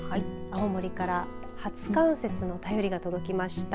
青森から初冠雪の便りが届きました。